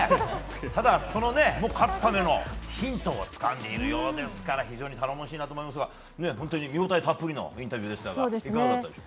ただ、その勝つためのヒントをつかんでいるようですから非常に頼もしいなと思いますが本当に見応えたっぷりのインタビューでしたがいかがでしたか？